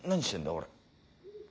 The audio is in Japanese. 俺。